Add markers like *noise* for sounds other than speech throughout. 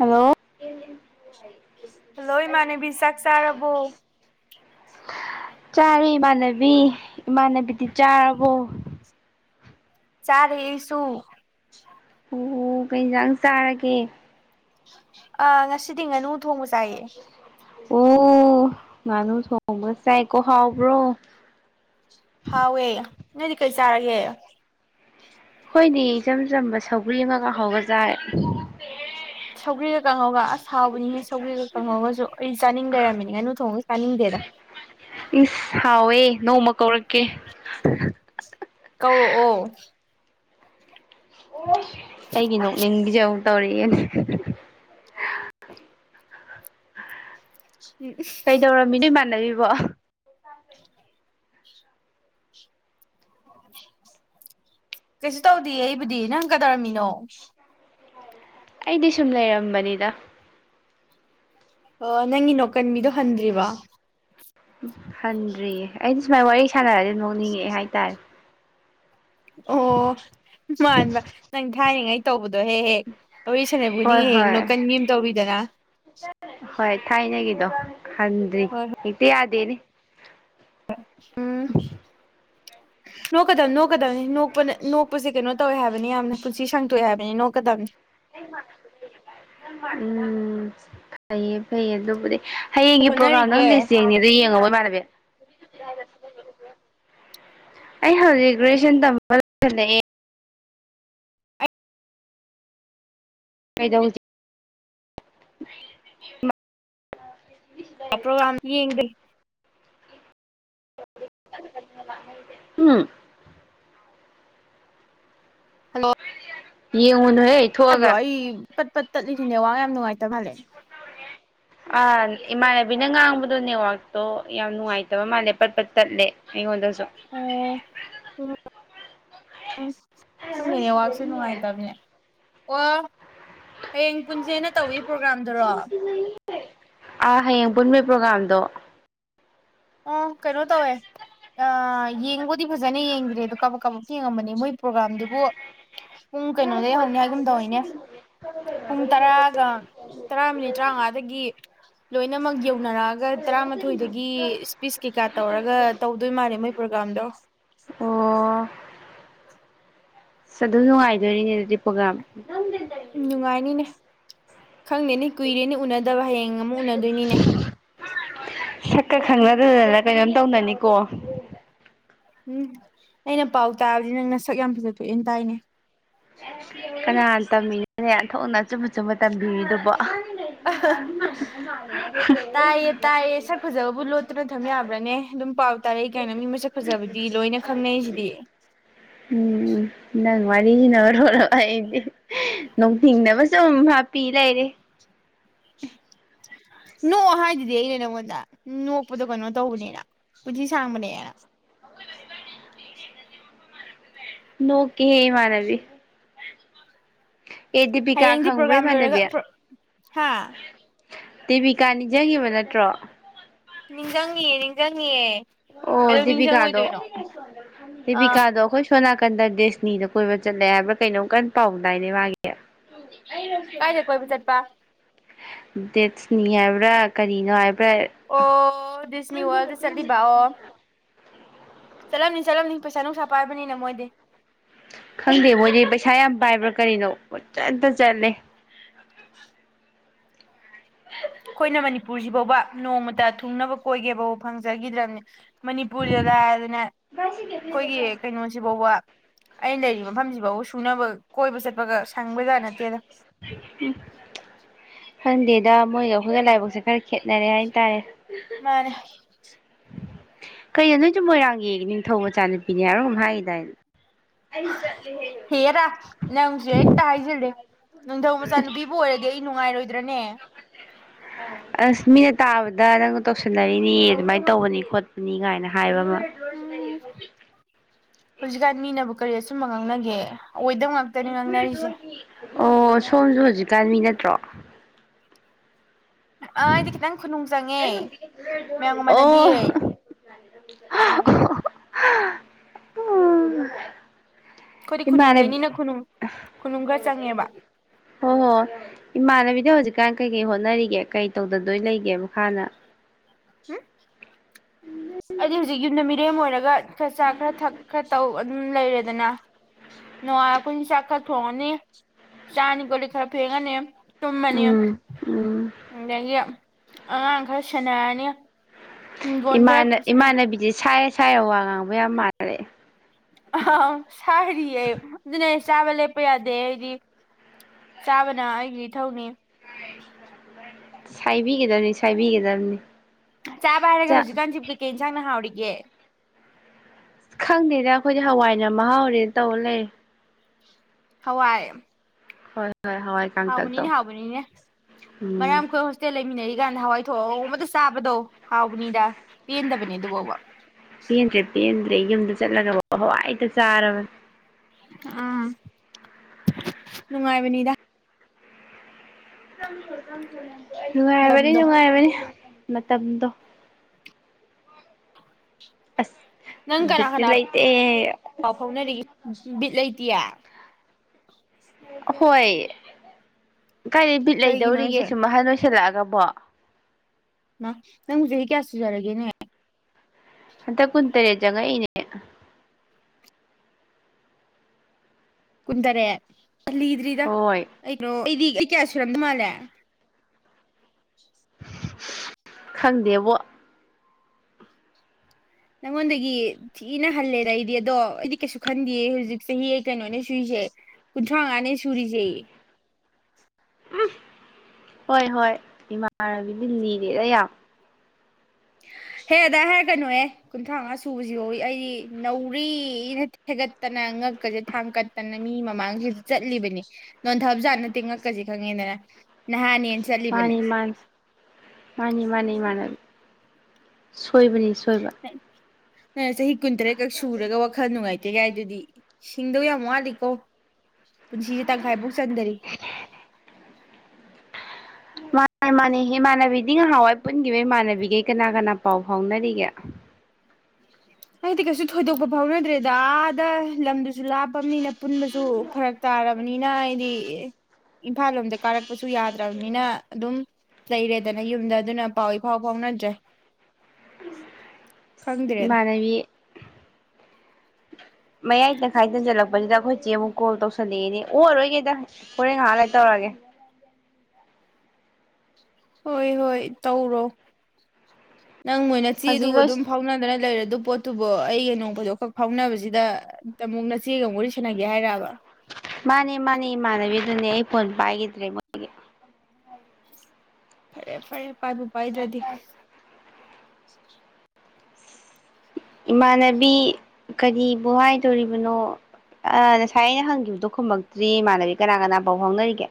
hello ꯍꯥꯂꯣꯏ ꯃꯅꯥꯅꯕꯤ ꯆꯥꯛ ꯆꯥꯂꯕꯣ ꯆꯥꯔꯦ ꯏꯃꯥꯟꯅꯕꯤ ꯏꯃꯥꯟꯅꯕꯤꯗꯤ ꯆꯥꯔꯕꯣ ꯆꯔꯦ ꯑꯩꯁꯨ ꯎꯣ ꯀꯩ ꯑꯦꯡꯖꯥꯡ ꯆꯥꯔꯒꯦ ꯑꯥ ꯉꯁꯤꯗꯤ ꯉꯥꯅꯨ ꯊꯣꯡꯕ ꯆꯥꯏꯌꯦ ꯑꯣ ꯉꯥꯅꯨ ꯊꯣꯡꯕꯒꯥ ꯆꯥꯏꯀꯣ ꯍꯥꯎꯕ꯭ꯔꯣ ꯍꯥꯎ ꯌꯦ ꯅꯣꯏꯗꯤ ꯀꯩ ꯆꯔꯒꯦ ꯑꯩꯈꯣꯏꯗꯤ ꯏꯆꯝ ꯆꯝꯕ ꯁꯧꯒ꯭ꯔꯤ ꯑꯃꯒꯥ ꯍꯧꯕ ꯆꯥꯏꯔꯦ ꯁꯧꯒ꯭ꯔꯤꯒ ꯀꯪꯉꯧꯒ ꯑꯥꯁ ꯍꯥꯎꯕꯅꯤ ꯁꯧꯒꯔꯤꯒꯥ ꯉꯥꯡꯍꯧꯒꯁꯨ ꯑꯩꯁꯩ ꯆꯥꯅꯤꯡ ꯂꯩꯔꯝꯃꯤꯅꯤꯉꯅꯨ ꯊꯣꯡꯉꯥ ꯇꯥꯅꯤꯡꯗꯦꯗ ꯑꯨꯝ ꯍꯥꯎꯋꯦ ꯅꯣꯡꯃ ꯀꯧꯔꯛꯀꯦ ꯀꯧꯔꯛꯑꯣ ꯑꯣꯏ ꯀꯩꯒꯤꯅꯣ ꯅꯤꯡꯕꯤꯖꯤ ꯑꯃꯨꯛ ꯇꯧꯔꯛꯑꯦꯅꯦ ꯀꯩꯗꯧꯔꯃꯤꯗꯤ ꯃꯥꯟꯅꯕꯤ ꯋꯥ ꯀꯩꯁꯨ ꯇꯧꯗꯦ ꯑꯩꯕꯨꯗꯤ ꯅꯪꯗꯤ ꯀꯗꯧꯔꯝꯃꯤꯅꯣ ꯑꯩꯗꯤ ꯁꯨꯝ ꯂꯩꯔꯝꯕꯅꯤꯗ ꯑꯣ ꯅꯪꯒꯤ ꯅꯣꯀꯟꯕꯤ ꯗꯣ ꯍꯟꯗ꯭ꯔꯤꯕꯣ ꯍꯟꯗ꯭ꯔꯤꯌꯦ ꯑꯩꯗꯤ ꯁꯨꯃꯥꯏ ꯋꯥꯔꯤ ꯁꯥꯟꯅꯔꯗꯤ ꯅꯤꯡꯉꯛꯑꯦ ꯍꯥꯏꯇꯥꯔꯦ ꯑꯣ ꯃꯥꯟꯕ ꯅꯪ ꯊꯥꯏꯔꯤꯉꯩꯒꯤ ꯇꯧꯕꯗꯨ ꯍꯦꯛ ꯍꯦꯛ ꯖꯥꯔꯤ ꯍꯣꯏ ꯁꯅꯕꯅꯈꯨꯖꯤꯡꯒꯤ ꯍꯦꯛ ꯍꯦꯛ ꯍꯣꯏ ꯅꯣꯛꯀꯟꯕꯤ ꯑꯃ ꯇꯧꯔꯤꯗꯅꯤ ꯍꯣꯏ ꯊꯥꯏꯅꯒꯤꯗꯣ ꯍꯟꯗꯔꯤ ꯗꯦꯅꯦ ꯑꯥ ꯎꯝ ꯅꯣꯛꯀꯗꯕꯅꯤ ꯅꯣꯛꯀꯗꯕꯅꯤ ꯅꯣꯛꯄ ꯅꯣꯛꯄꯁꯦ ꯀꯩꯅꯣ ꯇꯧꯋꯦ ꯍꯥꯏꯕꯅꯤ ꯌꯥꯝꯅ ꯄꯨꯟꯁꯤ ꯁꯥꯡꯇꯣꯛꯑꯦ ꯍꯥꯏꯕꯅꯤ ꯅꯣꯛꯀꯗꯕꯅꯤ ꯎꯝ ꯐꯩꯌꯦ ꯐꯩꯌꯦ ꯑꯗꯨꯕꯨꯗꯤ ꯍꯌꯦꯡꯒꯤ ꯄ꯭ꯔꯣꯒꯥꯝ ꯍꯣꯠꯅꯔꯤꯒꯦ ꯅꯪ ꯂꯤꯁ ꯌꯦꯡꯅꯤ ꯑꯗꯨ ꯌꯦꯡꯉꯕ ꯏ ꯃꯥꯥꯟꯅꯕꯤ ꯑꯩ ꯍꯧꯖꯤꯛ ꯒ꯭ꯔꯦꯖꯨꯑꯦꯁꯟ ꯇꯝꯕ ꯂꯣꯏꯁꯤꯜꯂꯛꯑꯦ ꯀꯩꯗꯧꯖꯤ ꯃꯥ ꯄ꯭ꯔꯣꯒ꯭ꯔꯥꯝ ꯌꯦꯡꯗꯦ ꯎꯝ ꯍꯜꯂꯣ ꯌꯦ ꯊꯣꯛꯑꯒ ꯇꯠꯂꯤꯗꯨꯅꯦ ꯅꯦꯠꯋꯥꯛ ꯅꯨꯡꯉꯥꯏꯇꯕ ꯃꯥꯜꯂꯦ ꯑꯥ ꯏꯃꯥꯟꯅꯕꯤꯅ ꯉꯥꯡꯕꯗꯣ ꯅꯦꯠꯋꯥꯛꯇꯣ ꯌꯥꯝ ꯅꯨꯡꯉꯥꯏꯇꯕ ꯃꯥꯜꯂꯦ ꯄꯠꯄꯠ ꯇꯠꯂꯦ ꯑꯩꯉꯣꯟꯗꯁꯨ ꯑꯣ *unintelligible* ꯎꯝ ꯈꯪꯗꯦ ꯅꯦꯠꯋꯥꯛꯁꯦ ꯅꯨꯡꯉꯥꯏꯇꯕꯅꯦ ꯑꯣ ꯍꯌꯦꯡ ꯄꯨꯟꯁꯦꯅ ꯇꯧꯏꯤ ꯄ꯭ꯔꯣꯒ꯭ꯔꯥꯝꯗꯨꯔꯣ ꯑꯥ ꯍꯌꯦꯡ ꯄꯨꯟꯕ ꯄ꯭ꯔꯣꯒ꯭ꯔꯥꯝꯗꯣ ꯑꯣ ꯀꯩꯅꯣ ꯇꯧꯋꯦ ꯌꯦꯡꯕꯨꯗꯤ ꯐꯖꯅ ꯌꯦꯡꯗ꯭ꯔꯦ ꯑꯗꯣ ꯀꯕꯛ ꯀꯕꯨꯛꯇꯤ ꯌꯦꯡꯉꯝꯕꯅꯦ ꯃꯣꯏ ꯄ꯭ꯔꯣꯒ꯭ꯔꯥꯝꯗꯨꯕꯨ ꯄꯨꯡ ꯀꯩꯅꯣꯗꯒꯤꯩ ꯍꯧꯅꯤ ꯍꯥꯏꯒꯨꯝꯗꯧꯅꯦ ꯄꯨꯡ ꯇꯔꯥꯒ ꯇꯔꯥ ꯃꯤꯅꯤꯠ ꯇꯔꯥꯃꯉꯥꯗꯒꯤ ꯂꯣꯏꯅꯃꯛ ꯌꯧ ꯌꯧꯅꯔꯛꯑꯒ ꯇꯔꯥꯃꯥꯊꯣꯏꯗꯒꯤ ꯀꯩꯀꯥ ꯇꯧꯔꯒ ꯇꯧꯗꯣꯏ ꯃꯥꯅꯤ ꯃꯣꯏ ꯄ꯭ꯔꯣꯒꯥꯥꯝꯗꯣ ꯑꯣ ꯑꯁ ꯑꯗꯨꯝ ꯅꯨꯡꯉꯥꯏꯗꯣꯏꯅꯤꯅꯦ ꯑꯗꯨꯗꯤ ꯄ꯭ꯔꯣꯒꯥꯝ ꯎꯝ ꯅꯨꯡꯉꯥꯏꯅꯤꯅꯦ ꯈꯪꯗꯦꯅꯦ ꯀꯨꯏꯔꯦꯅꯦ ꯎꯅꯗ ꯗꯕ ꯍꯌꯦꯡ ꯑꯃꯨꯛ ꯎꯅꯗꯣꯏꯅꯤꯅꯦ ꯁꯛꯀ ꯈꯪꯅꯗꯗꯅ ꯀꯩꯅꯣꯝ ꯇꯧꯅꯅꯤꯀꯣ ꯎꯝ ꯑꯩꯅ ꯄꯥꯎ ꯇꯥꯕꯗꯤ ꯅꯪ ꯅꯁꯛ ꯌꯥꯝ ꯐꯖꯊꯣꯛꯑꯦꯅ ꯇꯥꯏꯅꯦ ꯀꯅꯅꯥ ꯇꯝꯃꯤꯅꯣꯅꯦ ꯑꯣꯟꯊꯣꯛꯅ ꯑꯆꯨꯝꯕ ꯑꯆꯨꯝꯕ ꯇꯝꯕꯤꯔꯤꯗꯨꯕꯣ ꯇꯥꯏꯌꯦ ꯇꯥꯏꯌꯦ ꯁꯛ ꯐꯖꯕꯕꯨ ꯂꯣꯠꯇꯨꯅ ꯊꯝ ꯌꯥꯕ꯭ꯔꯅꯦ ꯑꯗꯨꯝ ꯄꯥꯎ ꯇꯥꯔꯛꯏ ꯀꯩꯅꯣ ꯃꯤ ꯃꯁꯛ ꯐꯖꯕꯗꯤ ꯂꯣꯏꯅ ꯈꯪꯅꯩꯁꯤꯗꯤ ꯎꯝ ꯎꯝ ꯅꯪ ꯋꯥꯔꯤꯅ ꯃꯔꯣꯟ ꯑꯃ ꯑꯩꯗꯤ ꯅꯣꯛꯅꯤꯡꯅꯕ ꯁꯨꯝ ꯍꯥꯞꯄꯤ ꯂꯩꯔꯦ ꯅꯣꯛꯑꯣ ꯍꯥꯏꯗꯨꯗꯤ ꯑꯩꯅ ꯅꯪꯉꯣꯟꯗ ꯅꯣꯛꯄꯗꯣ ꯀꯩꯅꯣ ꯇꯧꯕꯅꯦꯅ ꯄꯨꯟꯁꯤ ꯁꯥꯡꯕꯅꯦꯅ ꯅꯣꯛꯀꯦꯍꯦ ꯏꯃꯥꯟꯅꯕꯤ ꯑꯦ ꯗꯦꯕꯤꯀꯥ ꯍꯌꯦꯡꯗꯤ ꯈꯪꯕ꯭ꯔ ꯄ꯭ꯔꯣꯒꯥꯝ ꯂꯣꯏꯔꯒ ꯏꯃꯥꯥꯟꯅꯕꯤ ꯄ꯭ꯔꯣ ꯍꯥ ꯗꯦꯕꯤꯀꯥ ꯅꯤꯡꯖꯪꯉꯤꯕ ꯅꯠꯇ꯭ꯔꯣ ꯅꯤꯡꯖꯪꯉꯤꯌꯦ ꯅꯤꯡꯖꯪꯉꯤꯌꯦ ꯑꯣ ꯗꯦꯕꯤꯀꯥꯗꯣ ꯑꯥ ꯗꯦꯕꯤꯀꯥꯗꯣ ꯑꯈꯣꯏ ꯁꯣꯅꯥꯀꯟꯗ ꯗꯦꯁꯅꯤꯗ ꯀꯣꯏꯕ ꯆꯠꯂꯦ ꯍꯥꯏꯕ꯭ꯔꯥ ꯀꯩꯅꯣꯝ ꯀꯟꯅ ꯄꯥꯎ ꯇꯥꯏꯅꯦ ꯃꯥꯒꯤ ꯀꯥꯏꯗ ꯀꯣꯏꯕ ꯆꯠꯄ ꯗꯦꯠꯁꯅꯤ ꯍꯥꯏꯕ꯭ꯔ ꯀꯔꯤꯅꯣ ꯍꯥꯏꯕ ꯑꯣ ꯗꯤꯁꯅꯤ ꯋꯥꯜꯗ ꯆꯠꯂꯤꯕꯑꯣ ꯆꯠꯂꯝꯅꯤ ꯆꯠꯂꯝꯅꯤ ꯄꯩꯁꯥ ꯅꯨꯡꯁꯥ ꯄꯥꯏꯕꯅꯤꯅ ꯃꯣꯏꯗꯤ ꯈꯪꯗꯦ ꯃꯣꯏꯗꯤ ꯄꯩꯁꯥ ꯌꯥꯝ ꯄꯥꯏꯕ꯭ꯔꯥ ꯀꯔꯤꯅꯣ ꯄꯥꯆꯠꯇ ꯆꯠꯂꯦ *inaudible* ꯈꯣꯏꯅ ꯃꯅꯤꯄꯨꯔꯖꯤ ꯕꯧꯕ ꯅꯣꯡꯃꯇ ꯊꯨꯡꯅꯕ ꯀꯣꯏꯒꯦ ꯕꯧ ꯐꯪꯖꯒꯤꯗ꯭ꯔꯝꯅꯤ ꯃꯅꯤꯄꯨꯔꯗꯤ ꯂꯥꯏꯗꯅ ꯈꯣꯏꯒꯤ ꯀꯩꯅꯣꯁꯤꯕꯧꯕ ꯑꯩꯅ ꯂꯩꯔꯤ ꯃꯐꯝꯖꯤꯕꯧꯕ ꯁꯨꯅꯕ ꯀꯣꯏꯕ ꯆꯠꯄꯒ ꯁꯪꯕꯖꯥꯠ ꯅꯠꯇꯦꯗ ꯎꯝ ꯈꯪꯗꯦꯗ ꯃꯣꯏꯒ ꯑꯈꯣꯏꯒ ꯂꯥꯏꯕꯛꯁꯦ ꯈꯔ ꯈꯦꯠꯅꯔꯦ ꯍꯥꯏ ꯇꯔꯦ ꯃꯥꯅꯦ ꯀꯩꯅꯣ ꯅꯣꯏꯖꯨ ꯃꯣꯏꯔꯥꯡꯒꯤ ꯅꯤꯡꯊꯧ ꯃꯆꯥꯅꯨꯄꯤꯅꯦ ꯍꯥꯏꯕ꯭ꯔ ꯍꯥꯏꯒꯤꯗꯥꯏꯅꯦ ꯑꯩ ꯆꯠꯂꯦꯍꯦ ꯅꯪꯖꯨ ꯍꯦꯛꯇ ꯍꯥꯏꯖꯤꯜꯂꯤ ꯅꯤꯡꯊꯧ ꯃꯆꯥꯅꯨꯄꯤꯕꯨ ꯑꯣꯏꯔꯗꯤ ꯑꯩ ꯅꯨꯡꯉꯥꯏꯔꯣꯏ ꯗ꯭ꯔꯅꯦ ꯑꯁ ꯃꯤꯅ ꯇꯥꯕꯗ ꯅꯪꯗꯣ ꯇꯧꯁꯟꯅꯔꯤꯅꯤ ꯑꯗꯨꯃꯥꯏ ꯇꯧꯕꯅꯤ ꯈꯣꯠꯄꯅꯤ ꯒꯥꯏꯅ ꯍꯥꯏꯕ ꯑꯃ ꯎꯝ ꯍꯨꯖꯤꯛꯒꯥꯟ ꯃꯤꯅꯕꯨ ꯀꯔꯤ ꯑꯆꯨꯝꯕ ꯉꯥꯡꯅꯒꯦ ꯑꯣꯏꯗꯕ ꯉꯥꯛꯇꯅꯤ ꯉꯥꯡꯅꯔꯤꯖꯦ ꯑꯣ ꯁꯣꯝꯖꯨ ꯍꯨꯖꯤꯛꯀꯥꯟ ꯃꯤ ꯅꯠꯇ꯭ꯔꯣ ꯑꯥ ꯑꯩꯗꯤ ꯈꯤꯇꯪ ꯈꯨꯅꯨꯡ ꯆꯪꯉꯦ ꯃꯌꯥꯝꯒ ꯑꯣ ꯃꯥꯟꯅꯗꯤꯌꯦ *unintelligible* ꯑꯩꯈꯣꯏꯗꯤ *unintelligible* ꯏꯃꯥꯟꯅꯕꯤ ꯈꯨꯅꯨꯡꯗꯩꯅꯤꯅ ꯈꯨꯅꯨꯡ ꯈꯨꯅꯨꯡ ꯈꯔ ꯆꯪꯉꯦꯕ ꯍꯣ ꯍꯣ ꯏꯃꯥꯥꯟꯅꯕꯤ ꯍꯧꯖꯤꯛꯀꯥꯟ ꯀꯩꯀꯩ ꯍꯣꯠꯅꯔꯤꯒꯦ ꯀꯩ ꯇꯧꯗꯗꯣꯏ ꯂꯩꯒꯦ ꯃꯈꯥꯅ *unintelligible* ꯖꯤꯛ ꯌꯨꯝꯗ ꯃꯤꯔꯦꯝ ꯑꯣꯏꯔꯒ ꯈꯔ ꯆꯥ ꯈꯔ ꯊꯛ ꯈꯔ ꯇꯧ ꯑꯗꯨꯝ ꯂꯩꯔꯦꯗꯅ ꯅꯨꯡꯉꯥꯏ ꯑꯈꯣꯏꯗꯤ ꯆꯥꯛ ꯈꯔ ꯊꯣꯡꯉꯅꯤ ꯆꯥꯅꯤ ꯀꯣꯂꯤꯛ ꯈꯔ ꯐꯦꯡꯉꯅꯤ ꯇꯨꯝꯃꯅꯤ ꯎꯝ ꯎꯝ ꯑꯗꯒꯤ ꯑꯉꯥꯡ ꯈꯔ ꯁꯦꯟꯅꯔꯅꯤ ꯍꯤꯡꯒꯣꯜ ꯈꯔ ꯏꯃꯥꯟꯅ ꯏꯃꯥꯟꯅꯕꯤꯗꯤ ꯁꯥꯏ ꯁꯥꯏꯔ ꯋꯥ ꯉꯥꯡꯕ ꯌꯥꯝ ꯃꯥꯟꯅꯔꯦ ꯑꯥꯍꯥꯍꯥ ꯁꯥꯏꯔꯤꯌꯦ ꯑꯗꯨꯅꯤ ꯍꯥꯏꯁ ꯆꯥꯕ ꯂꯦꯞꯄ ꯌꯥꯗꯦ ꯑꯩꯗꯤ ꯆꯥꯕꯅ ꯑꯩꯒꯤ ꯏꯊꯧꯅꯤ ꯍꯤ ꯏ ꯁꯥꯏꯕꯤꯒꯗꯕꯅꯤ ꯁꯥꯏꯕꯤꯒꯗꯕꯅꯤ ꯆꯥꯕ ꯍꯥꯏꯔꯒ ꯆꯥ ꯍꯖꯤꯀꯥꯟ ꯖꯤꯕꯨ ꯀꯩꯀꯩ ꯏꯟꯁꯥꯡꯅ ꯍꯥꯎꯔꯤ ꯌꯦ ꯈꯪꯅꯦꯅ ꯈꯣꯏꯗꯤ ꯍꯋꯥꯏꯅ ꯃꯍꯥꯎꯔꯦꯟ ꯇꯧ ꯂꯩꯔꯦ ꯍꯋꯥꯏ ꯍꯣꯏ ꯍꯣꯏ ꯍꯋꯥꯏ ꯍꯥꯎꯕꯅꯤꯅꯦ ꯀꯥꯡꯇꯛꯇꯣ ꯍꯥꯎꯕꯅꯤꯅꯦ ꯎꯝ ꯃꯔꯥꯝ ꯈꯣꯏ ꯍꯣꯁꯇꯦꯜ ꯂꯩꯃꯤꯟꯅꯔꯤ ꯀꯥꯟ ꯍꯋꯥꯏ ꯊꯣꯡꯕꯗ ꯆꯥꯕꯗꯣ ꯍꯥꯎꯕꯅꯤꯗ ꯄꯦꯟꯗꯕꯅꯦ ꯑꯗꯨꯕꯥꯎꯕ ꯄꯦꯟꯗ꯭ꯔꯦ ꯄꯦꯟꯗ꯭ꯔꯦ ꯌꯨꯝꯗ ꯆꯠꯂꯒ ꯍꯋꯥꯏꯗ ꯆꯥꯔꯕꯅꯦ ꯑꯝ ꯅꯨꯡꯉꯥꯏꯕꯅꯤꯗ ꯇꯝꯊꯣ ꯇꯝꯊꯣꯅꯦ ꯅꯨꯡꯉꯥꯏꯔꯕꯅꯤ ꯃꯇꯝꯗꯣ ꯅꯨꯡꯉꯥꯏꯔꯕꯅꯤ ꯃꯇꯝꯗꯣ ꯑꯁ ꯅꯪ ꯀꯅꯥ ꯕꯤꯠꯇꯤ ꯀꯅꯥ ꯂꯩꯇꯦ ꯄꯥꯎ ꯐꯥꯎꯅꯔꯤ ꯕꯤꯠ ꯂꯩ ꯌꯥ ꯑ ꯍꯣꯏ ꯀꯥꯏꯑꯩ ꯕꯤꯠ ꯀꯩꯒꯤꯅꯣ ꯂꯩꯗꯧꯔꯤꯒꯦ ꯍꯥꯏꯁꯦ ꯁꯨꯝ ꯑꯍꯜ ꯂꯣꯏꯁꯤꯜꯂꯛꯑꯒ ꯕꯥ ꯑ ꯅꯣꯕꯨꯨ ꯌꯦ ꯀꯌꯥ ꯁꯖꯔꯒꯦꯅꯦ ꯑꯗꯛ ꯀꯨꯟꯇꯔꯦꯠ ꯆꯉꯛꯏꯅꯦ ꯀꯨꯟꯇꯔꯦꯠ ꯑ ꯂꯤꯗꯔꯤꯗ ꯍꯣꯏ ꯑ ꯅꯣ ꯑꯩꯗꯤ ꯑꯩ ꯀꯌꯥꯁ꯭ꯔꯤꯔꯝꯗ ꯃꯥꯂꯦ ꯈꯪꯗꯦꯕꯣ ꯅꯪꯉꯣꯟꯗꯒꯤ ꯊꯤꯅ ꯍꯜꯂꯦꯗ ꯑꯩꯗꯤ ꯑꯗꯣ ꯑꯩꯗꯤ ꯀꯩꯁꯨ ꯈꯟꯗꯦ ꯍꯧꯖꯤꯛ ꯆꯍꯤ ꯀꯩꯅꯣꯅꯦ ꯁꯨꯏꯁꯦ ꯀꯨꯟꯊ꯭ꯔꯥ ꯉꯥꯅꯦ ꯁꯨꯔꯤꯖꯦ ꯍꯣꯏ ꯍꯣꯏ ꯏꯃꯥꯟꯅꯕꯤꯗꯤ ꯂꯤꯔꯦꯗ ꯌꯥꯝ ꯍꯦ ꯑꯗꯥ ꯍꯥꯏꯔꯀꯅꯣꯍꯦ ꯀꯨꯟꯊ꯭ꯔꯥ ꯉꯥ ꯁꯨꯕꯁꯤꯕꯧ ꯑꯩ ꯅꯧꯔꯤꯅ ꯊꯦꯒꯠꯇꯅ ꯉꯛꯀꯁꯦ ꯊꯥꯡ ꯒꯠꯇꯅ ꯃꯤ ꯃꯃꯥꯡꯁꯤꯗ ꯆꯠꯂꯤꯕꯅꯤ ꯅꯣꯟꯊꯕ ꯖꯥꯠ ꯅꯠꯇꯦ ꯉꯛꯀꯁꯦ ꯈꯪꯉꯦꯗꯅ ꯅꯍꯥꯅꯦ ꯃꯥꯅꯤ ꯃꯥꯥꯟ ꯃꯥꯅꯤ ꯃꯥꯅꯤ ꯏꯃꯥꯅ ꯁꯨ ꯁꯣꯏꯕꯅꯤ ꯁꯣꯏꯕ ꯆꯍꯤ ꯀꯨꯟ ꯇꯔꯦꯠꯀꯛ ꯁꯨꯔꯒ ꯋꯥꯈꯜ ꯅꯨꯡꯉꯥꯏꯇꯦ ꯀꯥꯏ ꯗꯨꯗꯤ ꯁꯤꯡꯗꯧ ꯌꯥꯝ ꯋꯥꯠꯂꯤꯀꯣ ꯄꯨꯟꯁꯤꯖꯤ ꯇꯪꯈꯥꯏꯕꯧ ꯆꯟꯗꯔꯤ ꯃꯥꯅꯦ ꯃꯥꯅꯦ ꯏꯃꯥꯟꯅꯕꯤꯗꯤ ꯉꯍꯥꯟꯋꯥꯏ ꯄꯨꯟꯒꯤꯕꯩ ꯃꯥꯟꯅꯕꯤꯒꯩ ꯀꯅꯥ ꯀꯅꯥ ꯄꯥꯎ ꯐꯥꯎꯅꯔꯤꯒꯦ ꯍꯥꯏꯗꯤ ꯀꯩꯁꯨ ꯊꯣꯏꯗꯣꯛꯄ ꯐꯥꯎꯅꯗ꯭ꯔꯦꯗꯥ ꯑꯥꯗ ꯂꯝꯗꯨꯁꯨ ꯂꯥꯞꯄꯝꯅꯤꯅ ꯄꯨꯟꯕꯁꯨ ꯐꯔꯛ ꯇꯥꯔꯕꯅꯤꯅ ꯍꯥꯏꯗꯤ ꯏꯝꯐꯥꯜ ꯂꯣꯝꯗ ꯀꯥꯔꯛꯄꯁꯨ ꯌꯥꯗ꯭ꯔꯕꯅꯤꯅ ꯑꯗꯨꯝ ꯂꯩꯔꯦꯗꯅ ꯌꯨꯝꯗ ꯑꯗꯨꯅ ꯄꯥꯎ ꯏꯐꯥꯎ ꯐꯥꯎꯅꯗ꯭ꯔꯦ ꯈꯪꯗ꯭ꯔꯦꯗ ꯏꯃꯥꯅꯕꯤ ꯃꯌꯥꯏ ꯇꯪꯈꯥꯏ ꯆꯟꯖꯜꯂꯛꯄꯖꯤꯗ ꯑꯈꯣꯏ ꯆꯦ ꯑꯃꯨꯛ ꯀꯣꯜ ꯇꯧꯁꯜꯂꯛꯑꯦꯅꯦ ꯑꯣꯛꯑꯔꯣꯏ ꯒꯦꯗ ꯍꯣꯔꯦꯟ ꯉꯥꯏꯍꯥꯛ ꯂꯩꯔ ꯇꯧꯔꯒꯦ ꯍꯣꯏ ꯍꯣꯏ ꯇꯧꯔꯣ ꯅꯪꯕꯨ ꯍꯧꯖꯤꯛ ꯅꯠꯆꯦꯗꯨꯕꯨ ꯂꯣꯏ ꯑꯗꯨꯝ ꯐꯥꯎꯅꯗꯅ ꯂꯩꯔ ꯗꯨ ꯄꯣꯠꯇꯨꯕꯣ ꯑꯩꯒ ꯅꯣꯡꯄꯗꯣ ꯈꯛ ꯐꯥꯎꯅꯕꯖꯤꯗ ꯇ ꯑꯃꯨꯛ ꯅꯆꯦꯒ ꯑꯃꯨꯛ ꯋꯥꯔꯤ ꯁꯥꯟꯅꯒꯦ ꯍꯥꯏꯔꯛꯕ ꯃꯥꯅꯦ ꯃꯥꯅꯦ ꯏꯃꯟꯅꯕꯤ ꯑꯗꯨꯅꯦ ꯐꯣꯟ ꯄꯥꯏꯒꯤꯗ꯭ꯔꯦ ꯃꯥꯒꯤ ꯐꯔꯦ ꯐꯔꯦ ꯄꯥꯏꯕꯨ ꯄꯥꯏꯗ꯭ꯔꯗꯤ *inaudible* ꯏꯃꯥꯟꯅꯕꯤ ꯀꯔꯤꯕꯨ ꯍꯥꯏꯗꯣꯔꯤꯕꯅꯣ ꯑ ꯉꯁꯥꯏ ꯑꯩꯅ ꯍꯪꯈꯤꯕꯗꯣ ꯈꯨꯝꯃꯛꯇ꯭ꯔꯤ ꯏꯃꯥꯟꯅꯕꯤ ꯀꯅꯥ ꯀꯅꯥ ꯐꯥꯎ ꯐꯥꯎꯅꯔꯤꯒꯦ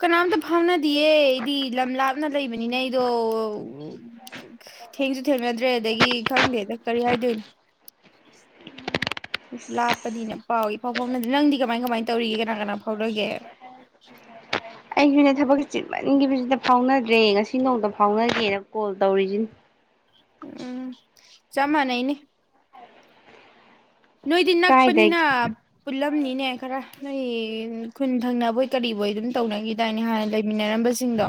ꯀꯅꯥꯝꯇ ꯐꯥꯎꯅꯗꯤꯌꯦ ꯑꯩꯗꯤ ꯂꯝ ꯂꯥꯞꯅ ꯂꯩꯕꯅꯤꯅ ꯑꯩꯗꯣ ꯊꯦꯡꯁꯨ ꯊꯦꯡꯅꯗ꯭ꯔꯦ ꯑꯗꯒꯤ ꯈꯪꯗꯦꯗ ꯀꯔꯤ ꯍꯥꯏꯗꯣꯏꯅꯣ ꯂꯥꯞꯄꯅꯤꯅ ꯄꯥꯎꯏ ꯄꯥꯎ ꯐꯥꯎꯅꯗꯦ ꯅꯪꯗꯤ ꯀꯃꯥꯏ ꯀꯃꯥꯏ ꯇꯧꯔꯤꯒꯦ ꯀꯅꯥ ꯀꯅꯥ ꯐꯥꯎꯅꯒꯦ ꯑꯩꯖꯨꯅꯦ ꯊꯕꯛꯁꯦ ꯆꯤꯟꯃꯟꯒꯤꯕꯖꯤꯗ ꯐꯥꯎꯅꯗ꯭ꯔꯦ ꯉꯁꯤ ꯅꯣꯡꯗ ꯐꯥꯎꯅꯒꯦꯅ ꯀꯣꯜ ꯇꯧꯔꯤꯖꯤꯅꯤ ꯎꯝ ꯆꯞ ꯃꯥꯟꯅꯩꯅꯤ ꯅꯣꯏꯗꯤ ꯅꯛꯄꯅꯤꯅ ꯀꯥꯏꯗꯒꯤ ꯄꯨꯜꯂꯝꯅꯤꯅꯦ ꯈꯔ ꯅꯣꯏ ꯈꯨꯟ ꯊꯪꯅꯕꯣꯏ ꯀꯔꯤꯕꯣꯏ ꯑꯗꯨꯝ ꯇꯧꯅꯒꯤꯗꯥꯏꯅꯦ ꯍꯥꯟꯅ ꯂꯩꯃꯤꯟꯅꯔꯝꯕ ꯁꯤꯡꯗꯣ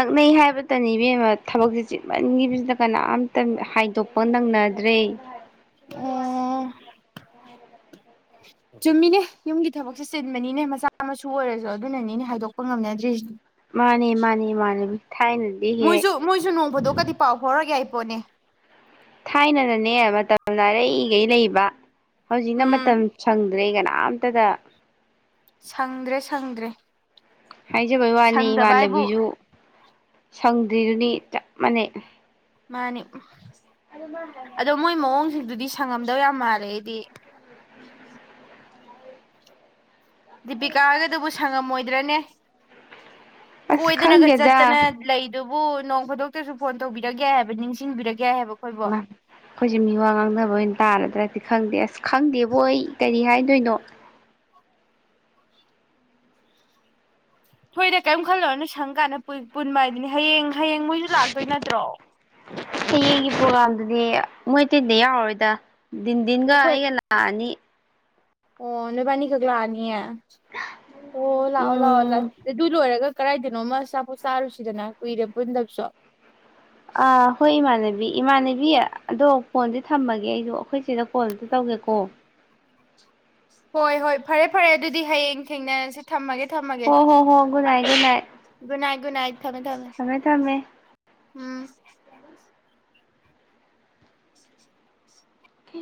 ꯅꯛꯅꯩ ꯍꯥꯏꯕꯇ ꯏꯕꯦꯝꯃ ꯊꯕꯛꯁꯦ ꯆꯤꯃꯟꯒꯤꯕꯁꯤꯗ ꯀꯅꯥꯝꯇ ꯍꯥꯏꯗꯣꯛꯄ ꯅꯪꯅꯗ꯭ꯔꯦ ꯑꯣ *unintelligible* ꯆꯨꯝꯃꯤꯅꯦ ꯌꯨꯝꯒꯤ ꯊꯕꯛꯁꯦ ꯆꯤꯟꯕꯅꯤꯅꯦ ꯃꯆꯥ ꯃꯁꯨ ꯑꯣꯏꯔꯁꯨ ꯑꯗꯨꯅꯅꯤꯅꯦ ꯍꯥꯏꯗꯣꯛꯄ ꯉꯝꯅꯗ꯭ꯔꯤꯖꯦ ꯃꯥꯅꯦ ꯃꯥꯅꯤ ꯃꯥꯅꯦ ꯊꯥꯏꯅꯗꯤ ꯍꯦꯛ ꯃꯣꯏꯁꯨ ꯃꯣꯏꯁꯨ ꯅꯣꯡꯃꯗꯣ ꯀꯗꯤ ꯄꯥꯎ ꯐꯧꯔꯛ ꯌꯥꯏ ꯄꫭꯅꯦ ꯊꯥꯏꯅꯅꯅꯦ ꯃꯇꯝꯅ ꯑꯔꯩꯒꯩ ꯂꯩꯕ ꯍꯧꯖꯤꯛꯅ ꯎꯝ ꯃꯇꯝ ꯁꯪꯗ꯭ꯔꯦ ꯀꯅꯥꯝꯇꯗ ꯁꯪꯗ꯭ꯔꯦ ꯁꯪꯗ꯭ꯔꯦ ꯍꯥꯏꯖꯕꯩ ꯋꯥꯅꯤ ꯁꯪꯗꯕ ꯍꯥꯏꯕꯨ ꯏꯃꯥꯟꯅꯕꯤꯁꯨ ꯁꯪꯗ꯭ꯔꯤꯗꯨꯅꯤ ꯆꯞ ꯃꯥꯟꯅꯩ ꯃꯥꯅꯤ ꯑꯗꯣ ꯃꯣꯏ ꯃꯑꯣꯡꯁꯤꯡꯗꯨꯗꯤ *unintelligible* ꯁꯪꯉꯝꯗꯧ ꯌꯥꯝ ꯃꯥꯜꯂꯦ ꯑꯩꯗꯤ ꯗꯤꯄꯤꯀꯥ ꯍꯥꯏꯔꯒꯗꯨꯕꯨ ꯁꯪꯉꯝꯃꯣꯏ ꯗ꯭ꯔꯅꯦ ꯑꯁ ꯀꯣꯏꯗꯅꯒ ꯈꯪꯗꯦꯗ ꯆꯠꯇꯅ ꯂꯩꯗꯨ ꯑꯗꯨꯕꯨ ꯅꯣꯡ ꯈꯨꯗꯣꯛꯛꯇꯁꯨ ꯐꯣꯟ ꯇꯧꯕꯤꯔꯛ ꯌꯥꯏ ꯍꯥꯏꯕ ꯅꯤꯡꯁꯤꯡꯕꯤꯔꯛ ꯌꯥꯏ ꯍꯥꯏꯕ ꯑꯩꯈꯣꯏꯕꯣ ꯌꯦꯃꯥ ꯑꯈꯣꯏꯁꯦ ꯃꯤꯋꯥ ꯉꯥꯡꯅꯕ ꯑꯣꯏꯅ ꯇꯥꯔꯗ꯭ꯔꯅꯦ ꯈꯪꯗꯦ ꯑꯁ ꯈꯪꯗꯦꯕꯣ ꯑꯩ ꯀꯔꯤ ꯍꯥꯏꯗꯣꯏꯅꯣ ꯍꫭꯏꯗ ꯀꯔꯤꯝ ꯈꯜꯂꯨꯔꯅꯣ ꯁꯪ ꯀꯥꯟꯗ ꯄꯨꯟꯕ ꯍꯥꯏꯗꯨꯅꯤ ꯍꯌꯦꯡ ꯍꯌꯦꯡ ꯃꯣꯏꯁꯨ ꯂꯥꯛꯇꯣꯏ ꯅꯠꯇ꯭ꯔꯣ ꯍꯌꯦꯡꯒꯤ ꯄ꯭ꯔꯣꯒꯥꯝꯗꯨꯗꯤ ꯃꯣꯏꯇꯩꯤꯟꯗ ꯌꯥꯎꯔꯔꯣꯏꯗ ꯟꯗꯟꯒ ꯑꯩꯈꯣꯏ ꯑꯩꯒꯂꯑꯅꯤ ꯑꯣ ꯅꯣꯏꯕꯥꯅꯤ ꯒꯛꯂꯥꯅꯤꯌꯦ ꯑꯣ ꯂꯑꯣ ꯂꯑꯣ ꯂꯥꯛ ꯎꯝ ꯗꯨꯂ ꯑꯣꯏꯔꯦꯒ ꯀꯗꯥꯏꯗꯅꯣꯃ ꯑꯆꯥꯄꯣꯠ ꯆꯥꯔꯨꯁꯤꯗꯅ ꯀꯨꯏꯔꯦ ꯄꯨꯟꯗꯕꯁꯨ ꯑ ꯍ ꯃꯥꯅꯦꯕꯤ ꯏꯃꯥꯟꯅꯕꯤ ꯑꯗꯣ ꯐꯣꯟꯗꯤ ꯊꯝꯃꯒꯦ ꯑꯩꯖꯨ ꯑꯩꯈꯣꯏ ꯆꯦꯗ ꯀꯣꯜ ꯑꯝꯇ ꯇꯧꯒꯦꯀꯣ ꯍꯣꯏ ꯍꯣꯏ ꯐꯔꯦ ꯐꯔꯦ ꯑꯗꯨꯗꯤ ꯍꯌꯦꯡ ꯊꯦꯡꯅꯔꯁꯤ ꯊꯝꯃꯒꯦ ꯊꯝꯃꯒꯦ ꯍꯣ ꯍꯣ ꯍꯣꯒꯨꯅꯏꯒꯨꯅꯏ ꯅꯥ ꯊꯝꯃꯦ ꯊꯝꯃꯦ ꯎꯝ